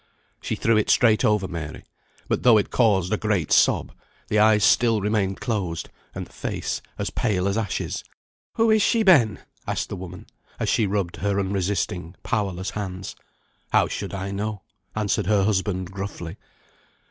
She threw it straight over Mary; but though it caused a great sob, the eyes still remained closed, and the face as pale as ashes. "Who is she, Ben?" asked the woman, as she rubbed her unresisting, powerless hands. "How should I know?" answered her husband gruffly.